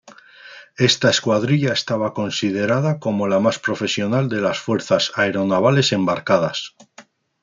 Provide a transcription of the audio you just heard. Esta escuadrilla estaba considerada como la más profesional de las fuerzas aeronavales embarcadas.